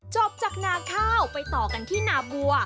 จบจากนาข้าวไปต่อกันที่นาบัว